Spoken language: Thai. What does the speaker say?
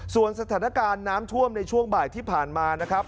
ส่วนสถานการณ์น้ำท่วมในช่วงบ่ายที่ผ่านมานะครับ